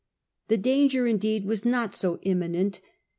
The danger, indeed, was not so imminent.